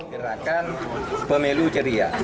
gerakan pemilu ceria